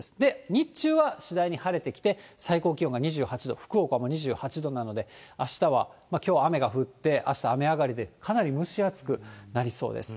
日中は次第に晴れてきて、最高気温が２８度、福岡も２８度なので、あしたは、きょう雨が降って、あした雨上がりで、かなり蒸し暑くなりそうです。